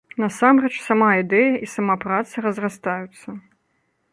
Насамрэч, сама ідэя і сама праца разрастаюцца.